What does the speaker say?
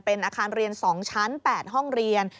เป็นอาคารเรียน๒ชั้น๘ห้องเรียน